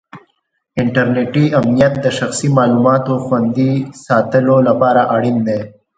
انټرنېټي امنیت د شخصي معلوماتو خوندي ساتلو لپاره اړین دی.